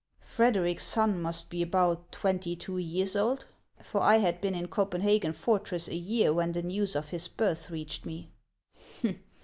" Frederic's son must be about twenty two years old, for I had been in Copenhagen fortress a year when the news of his birth reached me.